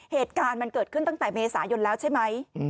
เหตุการณ์มันเกิดขึ้นตั้งแต่เมษายนแล้วใช่ไหม